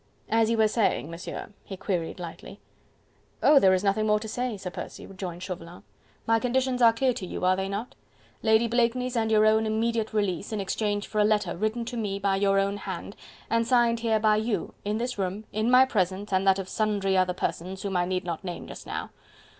"As you were saying, Monsieur?..." he queried lightly. "Oh! there is nothing more to say, Sir Percy," rejoined Chauvelin; "my conditions are clear to you, are they not? Lady Blakeney's and your own immediate release in exchange for a letter written to me by your own hand, and signed here by you in this room in my presence and that of sundry other persons whom I need not name just now.